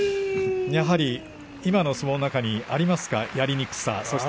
やはり今の相撲の中にありますかやりにくさは。